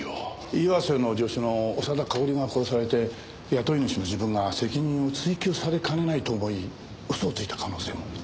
岩瀬の助手の長田かおりが殺されて雇い主の自分が責任を追及されかねないと思い嘘をついた可能性も。